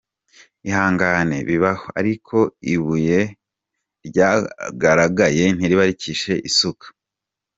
Ihangane bibaho ariko ibuye ryagaragaye ntiriba rikishe isuka.